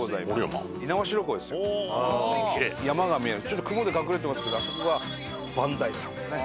ちょっと雲で隠れてますけどあそこが磐梯山ですね。